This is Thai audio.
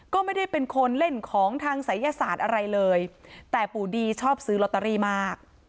ก็ไม่ได้เป็นคนเล่นของทางศัยศาสตร์อะไรเลยแต่ปู่ดีชอบซื้อลอตเตอรี่มาก